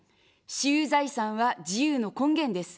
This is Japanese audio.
私有財産は自由の根源です。